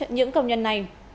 những công nhân này